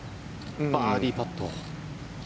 バーディーパット。